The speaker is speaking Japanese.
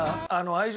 愛情？